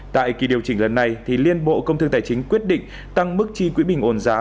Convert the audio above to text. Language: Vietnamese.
tại kỳ điều chỉnh lần này liên bộ công thương tài chính quyết định tăng mức chi quỹ bình ổn giá